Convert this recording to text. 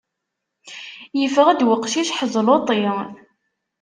Yeffeɣ-d uqcic ḥezluṭi!